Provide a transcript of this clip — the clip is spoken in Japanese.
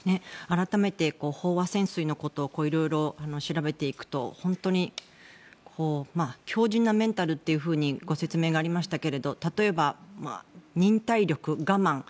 改めて飽和潜水のことを色々調べていくと本当に強じんなメンタルとご説明がありましたけれど例えば、忍耐力、我慢。